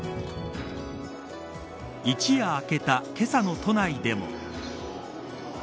一夜明けた、けさの都内でも。